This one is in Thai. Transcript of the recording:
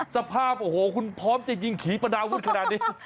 สภาพโอ้โหคุณพร้อมจะยิงขี่ประดาวุธขนาดนี้